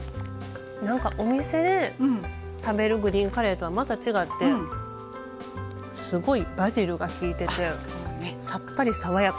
なんかお店で食べるグリーンカレーとはまた違ってすごいバジルがきいててさっぱり爽やか。